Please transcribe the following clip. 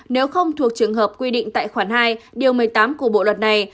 nếu không thuộc trường hợp quy định tại khoảng hai một mươi tám của bộ luật này